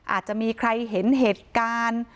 อาจจะมีใครเห็นเหตุการณ์